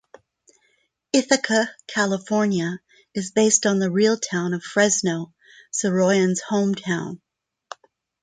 Ithaca, California is based on the real town of Fresno, Saroyan's home-town.